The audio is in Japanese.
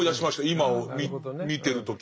今見てる時。